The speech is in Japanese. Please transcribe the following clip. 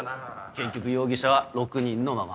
結局容疑者は６人のまま。